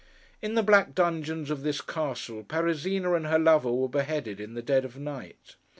In the black dungeons of this castle, Parisina and her lover were beheaded in the dead of night.